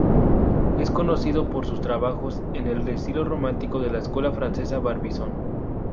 Es conocido para sus trabajos en el estilo romántico de la escuela francesa Barbizon.